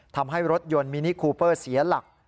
ทำให้รถยนต์มินิคูเปอร์เสียหลัก